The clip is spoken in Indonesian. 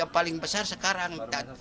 paling besar sekarang